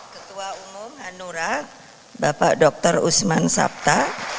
ketua umum hanura bapak dr usman sabta